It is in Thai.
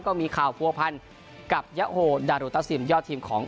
ก็มีข่าวผันกับยะโอด้ารูทะซิบยอดทีมของ